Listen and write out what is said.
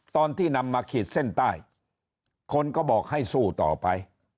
ตอนที่นำมาขีดเส้นใต้คนก็บอกให้สู้ต่อไป